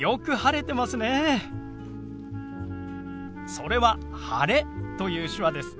それは「晴れ」という手話です。